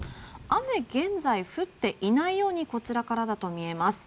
雨、現在は降っていないようにこちらからだと見えます。